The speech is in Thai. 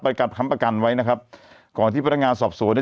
การค้ำประกันไว้นะครับก่อนที่พนักงานสอบสวนได้